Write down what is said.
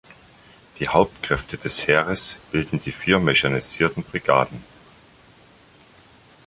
Die Hauptkräfte des Heeres bilden die vier mechanisierten Brigaden.